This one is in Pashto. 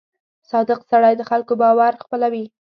• صادق سړی د خلکو باور خپلوي.